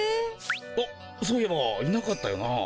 あっそういえばいなかったよな。